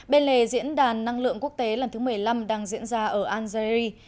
bên lề diễn đàn năng lượng quốc tế lần thứ một mươi năm đang diễn ra ở algeri